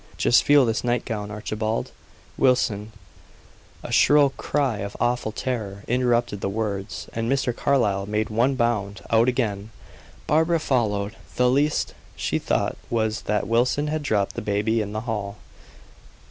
"Just feel his night gown Archibald! Wilson " A shrill cry of awful terror interrupted the words, and Mr. Carlyle made one bound out again. Barbara followed; the least she thought was that Wilson had dropped the baby in the hall.